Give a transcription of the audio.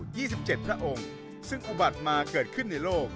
ี่สิบเจ็ดพระองค์ซึ่งอุบัติมาเกิดขึ้นในโลก